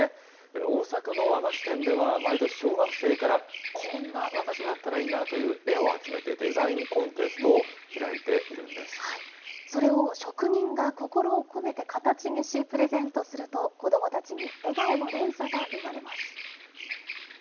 大阪の和菓子店では、毎年、小学生からこんな和菓子があったらいいなという絵を集めて、デザインそれを職人が心を込めて形にし、プレゼントすると、子どもたちに笑顔の連鎖が生まれます。